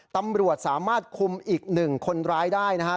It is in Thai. ตำรวจสามารถคุมอีกหนึ่งคนร้ายได้นะครับ